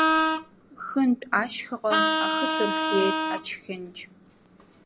Хынтә ашьхаҟа ахы сырхеит ачхьынџь.